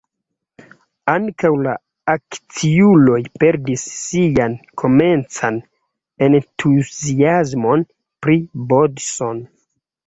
Ankaŭ la akciuloj perdis sian komencan entuziasmon pri Bodson.